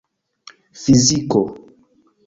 fiziko